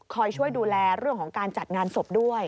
ช่วยดูแลเรื่องของการจัดงานศพด้วย